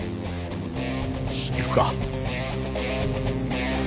よし行くか。